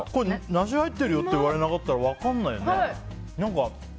梨、入ってるよって言われないと分からないよね。